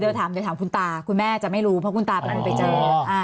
เดี๋ยวถามคุณตาคุณแม่จะไม่รู้เพราะคุณตาไปเจอ